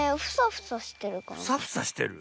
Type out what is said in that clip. フサフサしてる？